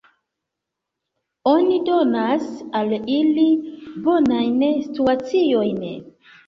Oni donas al ili bonajn situaciojn?